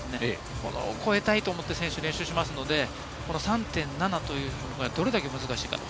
これを超えたいと思って練習しますので、３．７というのがどれだけ難しいか。